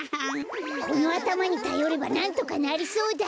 このあたまにたよればなんとかなりそうだ！